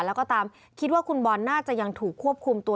แล้วก็ตามคิดว่าคุณบอลน่าจะยังถูกควบคุมตัว